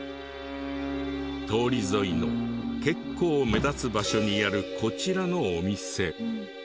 通り沿いの結構目立つ場所にあるこちらのお店。